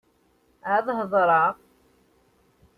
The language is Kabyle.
Ad hedṛeɣ.